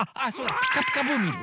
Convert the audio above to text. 「ピカピカブ！」